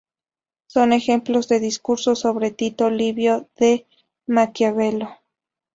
Son ejemplo los "Discursos sobre Tito Livio" de Maquiavelo.